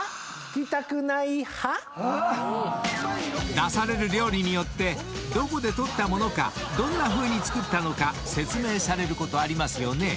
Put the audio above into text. ［出される料理によってどこで取ったものかどんなふうに作ったのか説明されることありますよね］